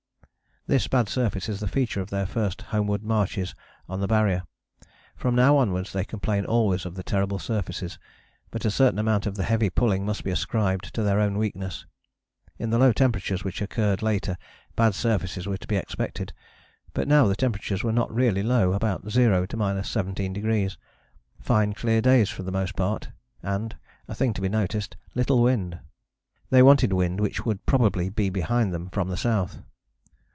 " This bad surface is the feature of their first homeward marches on the Barrier. From now onwards they complain always of the terrible surfaces, but a certain amount of the heavy pulling must be ascribed to their own weakness. In the low temperatures which occurred later bad surfaces were to be expected: but now the temperatures were not really low, about zero to 17°: fine clear days for the most part and, a thing to be noticed, little wind. They wanted wind, which would probably be behind them from the south.